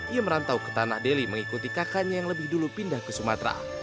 ia merantau ke tanah deli mengikuti kakaknya yang lebih dulu pindah ke sumatera